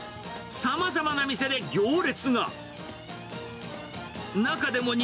さまざまな店で行列が。